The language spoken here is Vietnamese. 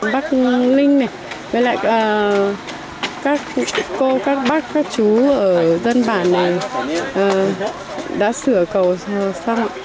bác linh này với lại các cô các bác các chú ở dân bản này đã sửa cầu xong